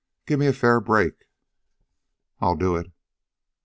"Gimme a fair break." "I'll do it."